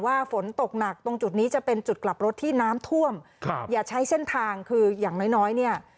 ฝนตกหนักตรงจุดนี้จะเป็นจุดกลับรถที่น้ำท่วมครับอย่าใช้เส้นทางคืออย่างน้อยน้อยเนี่ย